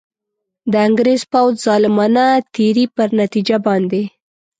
د انګرېز پوځ ظالمانه تېري پر نتیجه باندي.